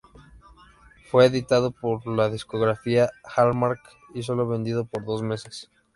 Fue editado por la discográfica Hallmark y sólo vendido por dos meses.